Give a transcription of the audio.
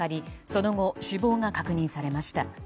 その後、死亡が確認されました。